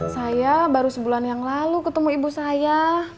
saya baru sebulan yang lalu ketemu ibu saya